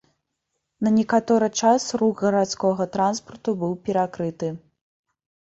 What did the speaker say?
На некаторы час рух гарадскога транспарту быў перакрыты.